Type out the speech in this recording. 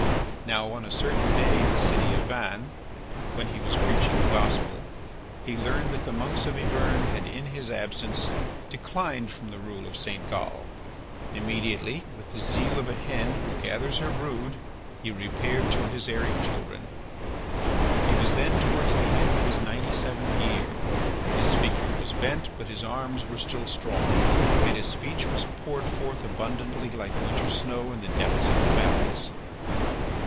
Now on a certain day in the city of Vannes, when he was preaching the Gospel, he learned that the monks of Yvern had in his absence declined from the rule of St. Gal. Immediately, with the zeal of a hen who gathers her brood, he repaired to his erring children. He was then towards the end of his ninety seventh year; his figure was bent, but his arms were still strong, and his speech was poured forth abundantly like winter snow in the depths of the valleys.